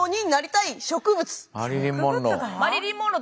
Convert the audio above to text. マリリン・モンロー。